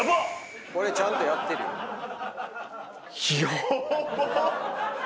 俺ちゃんとやってるよ。